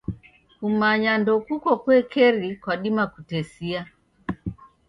Kumanya ndokuko kuekeri kwadima kutesia.